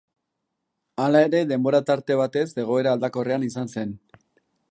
Hala ere, denbora tarte batez egoera aldakorrean izan zen.